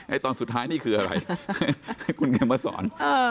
ตอนสุดท้ายนี่คืออะไรคุณเขียนมาสอน